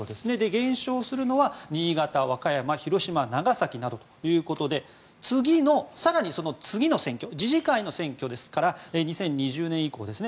減少するのは新潟、和歌山、広島長崎などということで次の更に次の選挙次々回の選挙ですから２０２２年以降ですね